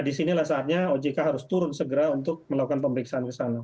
disinilah saatnya ojk harus turun segera untuk melakukan pemeriksaan ke sana